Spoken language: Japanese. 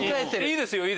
いいですよ